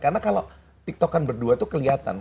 karena kalo tiktoken berdua tuh keliatan